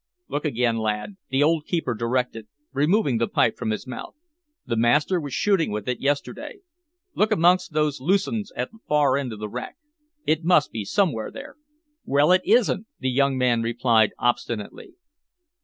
"Look again, lad," the old keeper directed, removing the pipe from his mouth. "The master was shooting with it yesterday. Look amongst those loose 'uns at the far end of the rack. It must be somewhere there." "Well, that isn't," the young man replied obstinately.